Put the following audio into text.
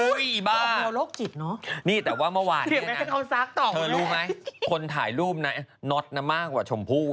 อุ๊ยอีบ้านี่แต่ว่าเมื่อวานนี้นะคุณถ่ายรูปนั้นน็อตมากกว่าชมพู่